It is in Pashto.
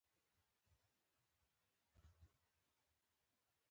اوسنۍ زمانې واقعیتونو سره اړخ لګوي.